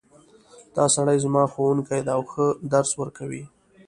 دا سړی زما ښوونکی ده او ښه درس ورکوی